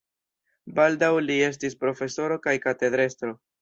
Baldaŭ li estis profesoro kaj katedrestro.